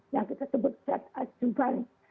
yang kita sebut zat adjuvan